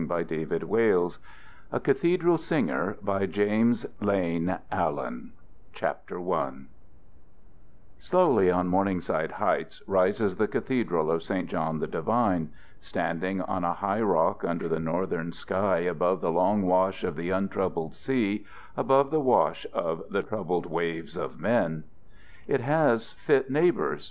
Published, March, 1916 TO PITY AND TO FAITH A Cathedral Singer I Slowly on Morningside Heights rises the Cathedral of St. John the Divine: standing on a high rock under the Northern sky above the long wash of the untroubled sea, above the wash of the troubled waves of men. It has fit neighbors.